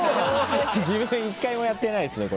自分１回もやってないですね